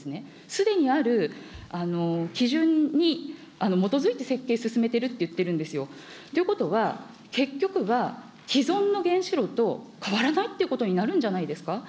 すでにある基準に基づいて設計を進めてると言っているんですよ。ということは、結局は、既存の原子炉と変わらないということになるんじゃないですか。